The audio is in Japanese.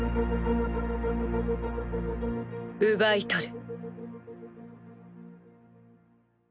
奪い取る。